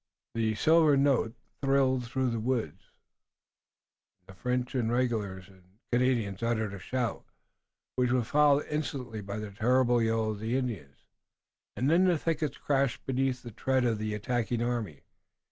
The silver note thrilled through the woods, the French regulars and Canadians uttered a shout, which was followed instantly by the terrible yell of the Indians, and then the thickets crashed beneath the tread of the attacking army.